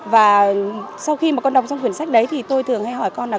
và sau khi mà con đọc trong quyển sách đấy thì tôi thường hay hỏi con là